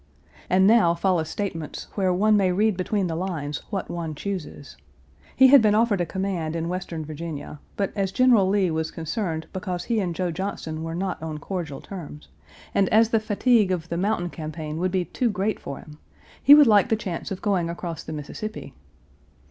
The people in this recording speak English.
And now follow statements, where one may read between the lines what one chooses. He had been offered a command in Western Virginia, but as General Lee was concerned because he and Joe Johnston were not on cordial terms, and as the Page 377 fatigue of the mountain campaign would be too great for him, he would like the chance of going across the Mississippi.